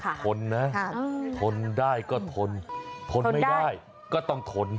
ทนนะทนได้ก็ทนทนไม่ได้ก็ต้องทน